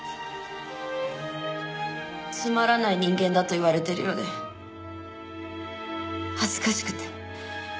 つまらない人間だと言われてるようで恥ずかしくて。